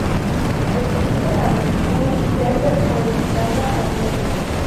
Existe la versión "server" orientada a redes.